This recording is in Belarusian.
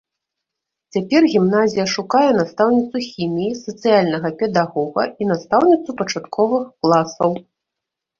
Цяпер гімназія шукае настаўніцу хіміі, сацыяльнага педагога і настаўніцу пачатковых класаў.